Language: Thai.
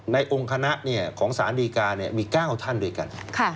ในองค์คณะของสารดีกามี๙ท่านด้วยกัน